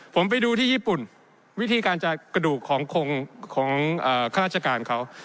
ผมไปดูที่ญี่ปุ่นวิธีการจะกระดูกของข้าราชการเขา